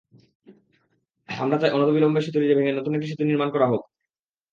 আমরা চাই অনতিবিলম্বে সেতুটি ভেঙে নতুন একটি সেতু নির্মাণ করা হোক।